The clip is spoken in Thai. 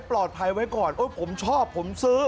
ปลอดภัยไว้ก่อนโอ๊ยผมชอบผมซื้อ